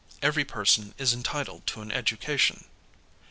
Every person is entitled to an education.